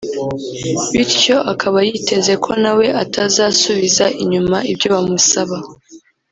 bityo akaba yiteze ko na we atazasubiza inyuma ibyo bamusaba